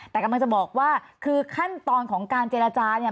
แต่กำลังจะบอกว่าคือขั้นตอนของการเจรจาเนี่ย